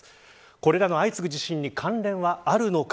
これらの相次ぐ地震に関連はあるのか。